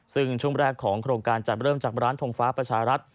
ซึ่งช่วงแรกของโครงการจัดเริ่มจากร้านทงฟ้าประชารัฐ